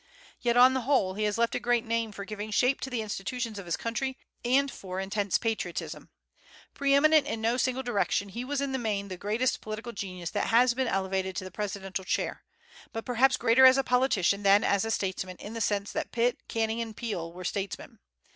Yet, on the whole, he has left a great name for giving shape to the institutions of his country, and for intense patriotism. Pre eminent in no single direction, he was in the main the greatest political genius that has been elevated to the presidential chair; but perhaps greater as a politician than as a statesman in the sense that Pitt, Canning, and Peel were statesmen.